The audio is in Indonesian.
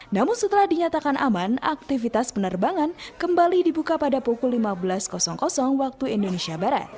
namun setelah dinyatakan aman aktivitas penerbangan kembali dibuka pada pukul lima belas waktu indonesia barat